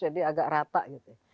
jadi agak rata gitu